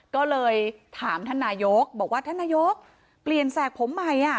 ก็เลยถามท่านนายกรัฐมนตรีบอกว่าท่านนายกรัฐมนตรีเปลี่ยนแสกผมใหม่